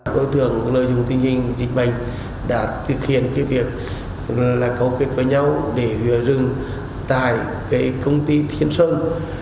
đối tượng lợi dụng tinh hình dịch bệnh đã thực hiện việc cầu kết với nhau để hứa rừng tại công ty thiên sơn